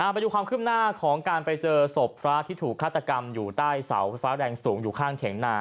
ไปดูความขึ้นหน้าของการไปเจอศพพระที่ถูกฆาตกรรมอยู่ใต้เสาไฟฟ้าแรงสูงอยู่ข้างเถียงนา